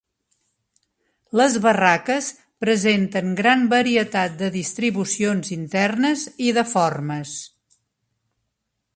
Les barraques presenten gran varietat de distribucions internes i de formes.